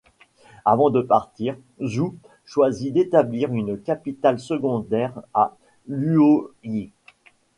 Avant de partir, Zhou choisit d'établir une capitale secondaire à Luoyi.